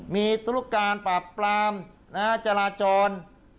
มีธุรการปราบปรามจราจร